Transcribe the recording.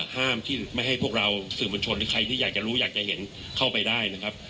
ห้ามที่ไม่ให้พวกเราสื่อมวลชนหรือใครที่อยากจะรู้อยากจะเห็นเข้าไปได้นะครับ